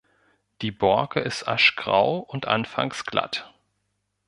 Die Borke ist aschgrau und anfangs glatt.